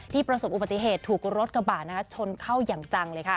ประสบอุบัติเหตุถูกรถกระบะชนเข้าอย่างจังเลยค่ะ